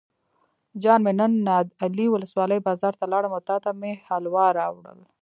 جان مې نن نادعلي ولسوالۍ بازار ته لاړم او تاته مې حلوا راوړل.